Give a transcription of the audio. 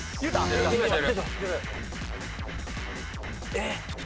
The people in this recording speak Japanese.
えっ？